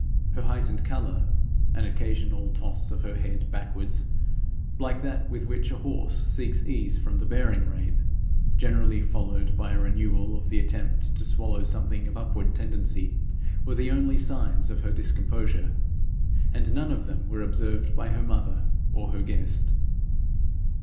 Her heightened colour, an occasional toss of her head backwards, like that with which a horse seeks ease from the bearing rein, generally followed by a renewal of the attempt to swallow something of upward tendency, were the only signs of her discomposure, and none of them were observed by her mother or her guest.